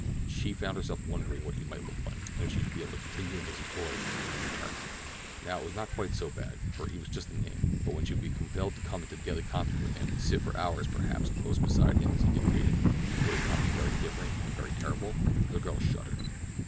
She found herself wondering what he might look like, and if she should be able to continue in his employ after he returned. Now it was not quite so bad, for he was just a name; but when she should be compelled to come into daily contact with him, sit for hours, perhaps, close beside him as he dictated, would it not be very different and very terrible? The girl shuddered.